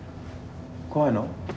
怖いの？